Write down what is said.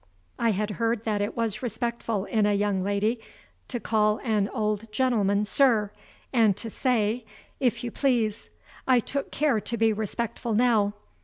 I had heard that it was respectful in a young lady to call an old gentleman, Sir, and to say, If you please. I took care to be respectful now.